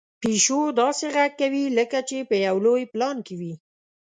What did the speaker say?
پيشو داسې غږ کوي لکه چې په یو لوی پلان کې وي.